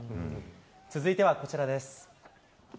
続いてはこちらです。